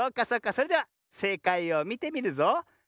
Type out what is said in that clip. それではせいかいをみてみるぞ。